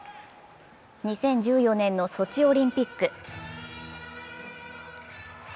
２０１４年のソチオリンピック。